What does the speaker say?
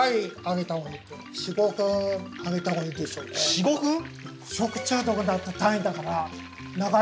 ４５分⁉え！